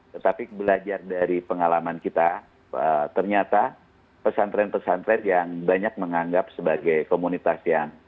tetapi belajar dari pengalaman kita ternyata pesantren pesantren yang banyak menganggap sebagai komunitas yang